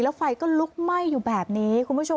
แล้วไฟก็ลุกไหม้อยู่แบบนี้